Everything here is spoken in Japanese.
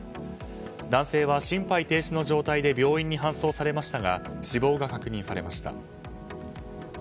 男性は心肺停止の状態で病院に搬送されましたが死亡が確認されました。